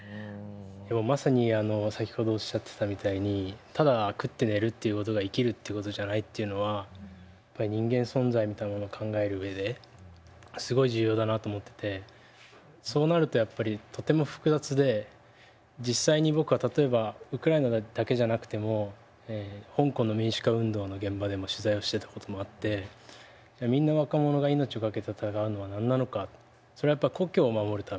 まさにあの先ほどおっしゃってたみたいにただ食って寝るってことが生きるってことじゃないっていうのはやっぱり人間存在みたいなものを考える上ですごい重要だなと思っててそうなるとやっぱりとても複雑で実際に僕は例えばウクライナだけじゃなくても香港の民主化運動の現場でも取材をしてたこともあってみんなそれはやっぱ故郷を守るため。